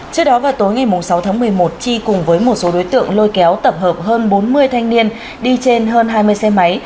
trước đó vào tối ngày sáu tháng một mươi một chi cùng với một số đối tượng lôi kéo tập hợp hơn bốn mươi thanh niên đi trên hơn hai mươi xe máy